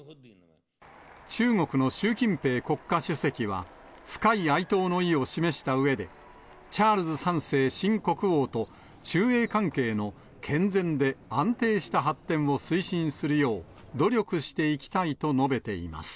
中国の習近平国家主席は、深い哀悼の意を示したうえで、チャールズ３世新国王と中英関係の健全で安定した発展を推進するよう、努力していきたいと述べています。